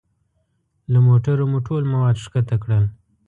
له موټرو مو ټول مواد ښکته کړل.